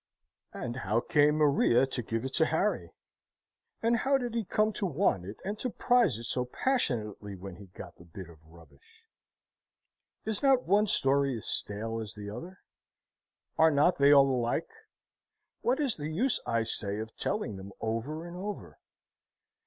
And how came Maria to give it to Harry? And how did he come to want it and to prize it so passionately when he got the bit of rubbish? Is not one story as stale as the other? Are not they all alike? What is the use, I say, of telling them over and over?